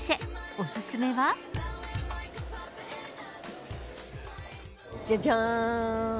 お勧めは？じゃじゃーん。